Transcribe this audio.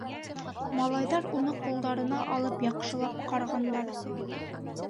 Малайҙар уны ҡулдарына алып, яҡшылап ҡарағандар.